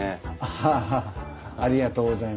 はあありがとうございます。